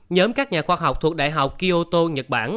nhóm các nhà khoa học thuộc đại học kioto nhật bản